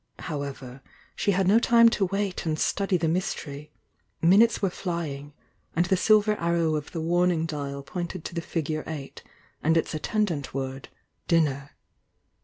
How ever, she had no time to wait and study the mys tery, — minutes were flying, and the silver arrow of the warning dial pointed to the figure eight, and its attendant word "Dinner."